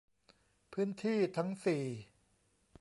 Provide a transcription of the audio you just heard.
พื้นที่ทั้ง สี่